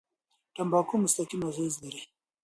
تمباکو مستقیم اغېز لري.